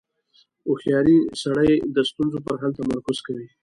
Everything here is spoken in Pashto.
• هوښیار سړی د ستونزو پر حل تمرکز کوي.